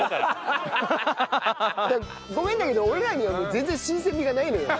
ごめんだけど俺らにはもう全然新鮮味がないのよ。